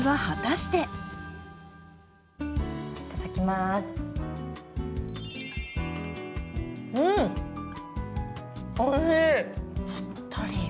しっとり。